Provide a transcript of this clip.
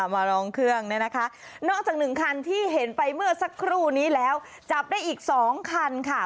มาร้องเครื่องเนี่ยนะคะนอกจากหนึ่งคันที่เห็นไปเมื่อสักครู่นี้แล้วจับได้อีกสองคันค่ะ